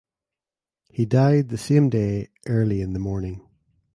He died the same day early in the morning.